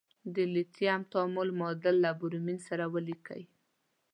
د لیتیم تعامل معادله له برومین سره ولیکئ.